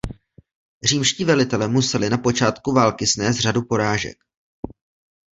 Římští velitelé museli na počátku války snést řadu porážek.